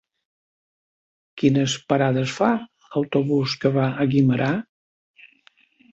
Quines parades fa l'autobús que va a Guimerà?